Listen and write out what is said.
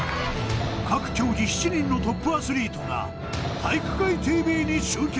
各競技７人のトップアスリートが「体育会ＴＶ」に集結